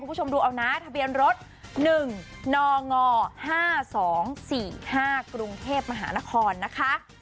คุณผู้ชมดูเอานะทะเบียนรถหนึ่งนงห้าสองสี่ห้ากรุงเทพมหานครนะคะ